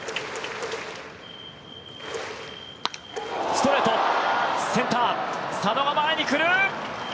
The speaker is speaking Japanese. ストレートセンター、佐野が前に来る。